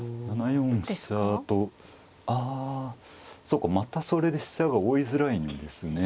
７四飛車とああそうかまたそれで飛車が追いづらいんですね。